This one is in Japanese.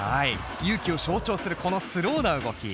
ＹＵ−ＫＩを象徴するこのスローな動き。